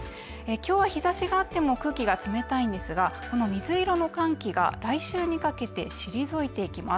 今日は日差しがあっても空気が冷たいんですがこの水色の寒気が来週にかけて退いていきます